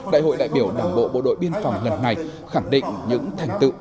đại hội đại biểu đảng bộ bộ đội biên phòng lần này khẳng định những thành tựu